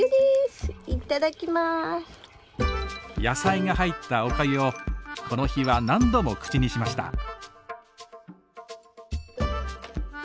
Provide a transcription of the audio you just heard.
野菜が入ったおかゆをこの日は何度も口にしました。